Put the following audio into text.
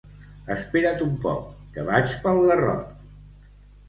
Espera't un poc, que vaig pel garrot.